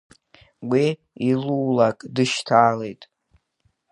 Уи илулак дышьҭалеит.